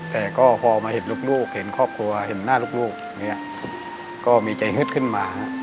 แต่ก็พอมาเห็นลูกเห็นครอบครัวเห็นหน้าลูกก็มีใจฮึดขึ้นมา